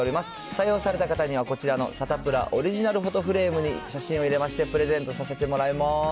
採用された方には、こちらのサタプラオリジナルフォトフレームに写真を入れまして、プレゼントさせてもらいます。